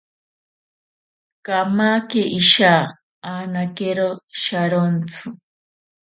Kamake isha anakero sharontsi.